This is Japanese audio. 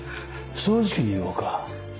正直に言おうか。